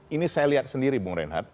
ini saya lihat sendiri bung reinhardt